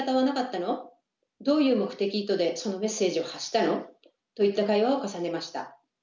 どういう目的・意図でそのメッセージを発したの？といった会話を重ねました。